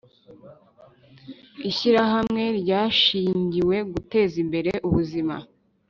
Ishyirahamwe ryashingiwe guteza imbere ubuzima